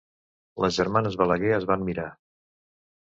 Les germanes Balaguer es van mirar.